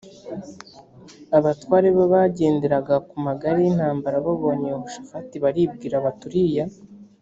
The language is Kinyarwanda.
abatware b abagenderaga ku magare y intambara babonye yehoshafati baribwira bati uriya